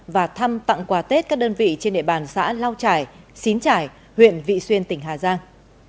và thăm tặng quà tết các đơn vị trên địa bàn xã lao trải xín trải huyện vị xuyên tỉnh hà giang